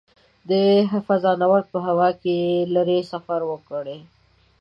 فضانورد په هوا کې لیرې سفر وکړي.